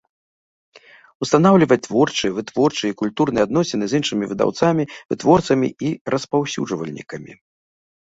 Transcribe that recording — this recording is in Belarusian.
Устанаўлiваць творчыя, вытворчыя i культурныя адносiны з iншымi выдаўцамi, вытворцамi i распаўсюджвальнiкамi.